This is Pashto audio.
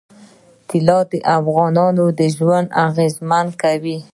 طلا د افغانانو ژوند اغېزمن کوي.